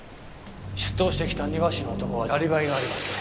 出頭してきた庭師の男はアリバイがありまして。